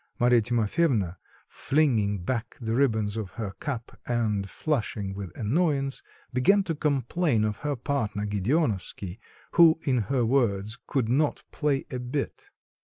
Marfa Timofyevna, flinging back the ribbons of her cap and flushing with annoyance, began to complain of her partner, Gedeonovsky, who in her words, could not play a bit.